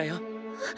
あっ。